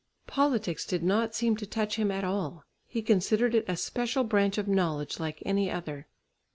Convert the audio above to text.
Politics did not seem to touch him at all; he considered it a special branch of knowledge like any other.